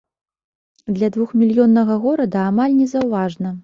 Для двухмільённага горада амаль незаўважна.